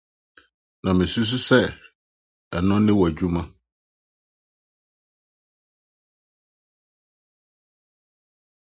Ná misusuw sɛ ɛno ne w'adwuma.